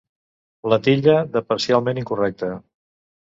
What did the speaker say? La titlla de parcialment incorrecta.